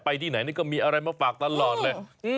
ที่ไหนนี่ก็มีอะไรมาฝากตลอดเลย